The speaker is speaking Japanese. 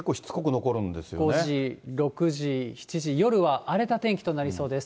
５時、６時、７時、夜は荒れた天気となりそうです。